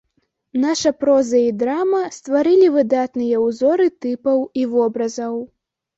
Наша проза і драма стварылі выдатныя ўзоры тыпаў і вобразаў.